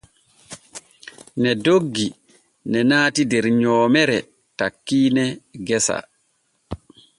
Ne doggi ne naati der nyoomere takkiine gesa.